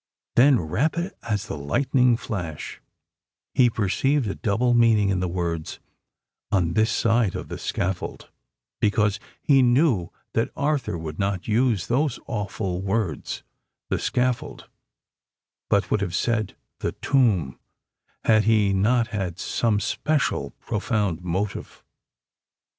Then, rapid as the lightning flash, he perceived a double meaning in the words—"on this side of the scaffold;" because he knew that Arthur would not use those awful words, "the scaffold"—but would have said "the tomb," had he not had some special, profound motive.